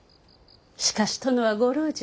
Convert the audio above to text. しかし殿はご老中